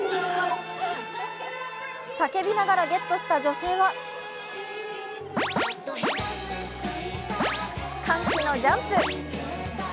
叫びながらゲットした女性は歓喜のジャンプ。